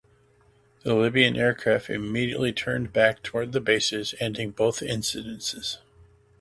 The Libyan aircraft immediately turned back toward their bases, ending both incidents.